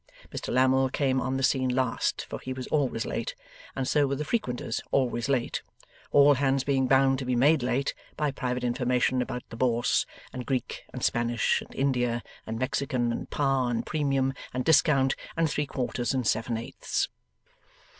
Mr Lammle came on the scene last, for he was always late, and so were the frequenters always late; all hands being bound to be made late, by private information about the Bourse, and Greek and Spanish and India and Mexican and par and premium and discount and three quarters and seven eighths.